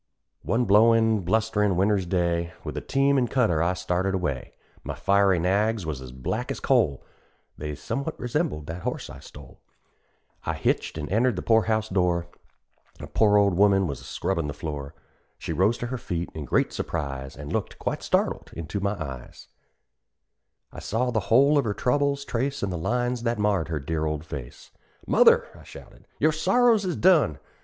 _ One blowin', blusterin' winter's day, With a team an' cutter I started away; My fiery nags was as black as coal; (They some'at resembled the horse I stole); I hitched, an' entered the poor house door A poor old woman was scrubbin' the floor; She rose to her feet in great surprise, And looked, quite startled, into my eyes; I saw the whole of her trouble's trace In the lines that marred her dear old face; "Mother!" I shouted, "your sorrows is done!